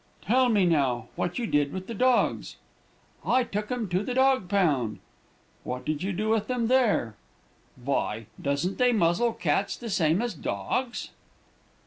"'Tell me, now, what you did with the dogs.' "'I took 'em to the dog pound.' "'What did you do with them there?' "'Vy, doesn't they muzzle cats the same as dogs?'